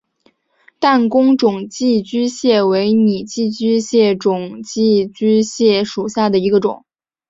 弹弓肿寄居蟹为拟寄居蟹科肿寄居蟹属下的一个种。